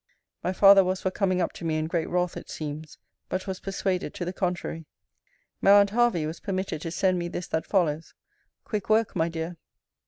My father was for coming up to me, in great wrath, it seems; but was persuaded to the contrary. My aunt Hervey was permitted to send me this that follow. Quick work, my dear!